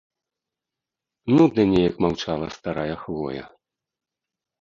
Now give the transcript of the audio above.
Нудна неяк маўчала старая хвоя.